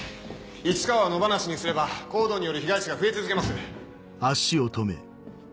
市川を野放しにすればＣＯＤＥによる被害者が増え続けます。